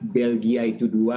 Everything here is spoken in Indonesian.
belgia itu dua